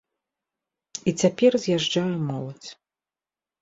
І цяпер з'язджае моладзь.